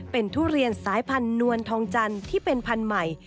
เป็นทุเรียนสายพันธนวลทองจันทร์ที่เป็นพันธุ์ใหม่